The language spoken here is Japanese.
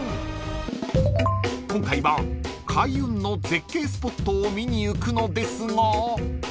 ［今回は開運の絶景スポットを見に行くのですが］